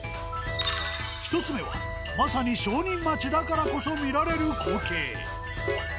１つ目はまさに商人町だからこそ見られる光景。